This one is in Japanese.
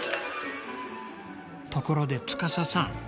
ところで司さん